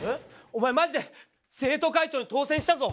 おまえマジで生徒会長に当選したぞ！